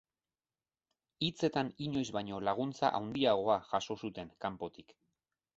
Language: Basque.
Hitzetan inoiz baino laguntza handiagoa jaso zuten kanpotik.